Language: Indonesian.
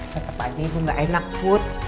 tetep aja ibu ga enak put